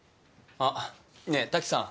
あっねえタキさん。